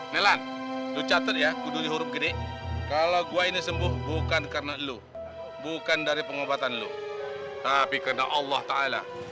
nelan lu catet ya kuduli huruf gede kalau gua ini sembuh bukan karena lu bukan dari pengobatan lu tapi karena allah ta'ala